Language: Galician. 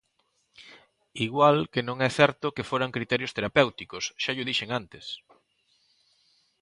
Igual que non é certo que foran criterios terapéuticos, xa llo dixen antes.